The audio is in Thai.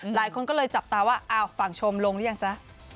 หลายคนก็เลยจับตาว่าอ้าวฝั่งชมลงหรือยังจ๊ะ